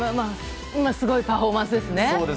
すごいパフォーマンスですね。